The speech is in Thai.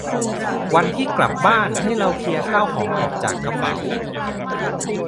วันที่กลับบ้านให้เราเคลียร์ข้าวของออกจากกระเป๋า